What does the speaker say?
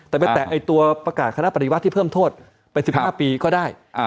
แต่ไปแตะตัวประกาศคณะปฏิวัติที่เพิ่มโทษไป๑๕ปีก็ได้